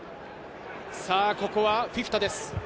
ここはフィフィタです。